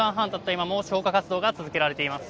今も消火活動が続けられています。